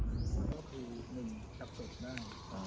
ผมไม่กล้าด้วยผมไม่กล้าด้วยผมไม่กล้าด้วย